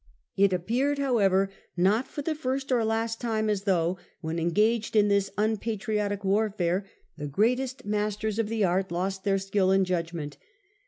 It appeared, how ever, not for the first or last time, as though when engaged in this unpatriotic warfare the greatest masters of the art lost their skill and judgment.